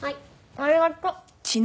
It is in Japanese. ありがとう。